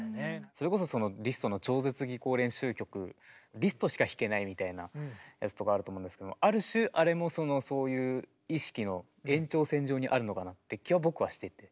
それこそリストの超絶技巧練習曲リストしか弾けないみたいなやつとかあると思うんですけどもある種あれもそのそういう意識の延長線上にあるのかなって気は僕はしていて。